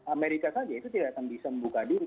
amerika saja itu tidak akan bisa membuka diri